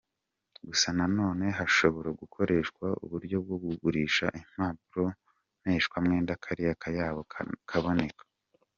Gusa nanone hashobora gukoreshwa uburyo bwo kugurisha impapuro mpeshwamwenda kariya kayabo kakaboneka.